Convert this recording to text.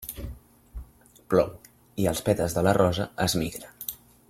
Plou i els pètals de la rosa es migren.